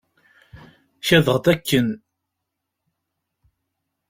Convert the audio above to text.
Kadeɣ-d akken.